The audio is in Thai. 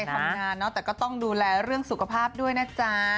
ทำงานเนอะแต่ก็ต้องดูแลเรื่องสุขภาพด้วยนะจ๊ะ